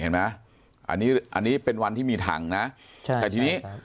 เห็นไหมอันนี้อันนี้เป็นวันที่มีถังนะใช่แต่ทีนี้